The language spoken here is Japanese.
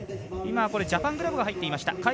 ジャパングラブが入っていました。